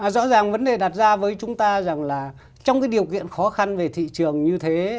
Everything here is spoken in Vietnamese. rõ ràng vấn đề đặt ra với chúng ta rằng là trong cái điều kiện khó khăn về thị trường như thế